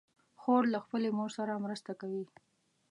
خور له خپلې مور سره مرسته کوي.